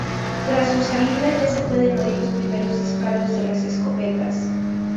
Tras su salida ya se pueden oír los primeros disparos de las escopetas.